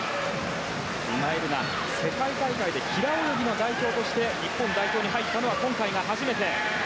今井月世界大会で平泳ぎの代表として日本代表に入ったのは今回が初めて。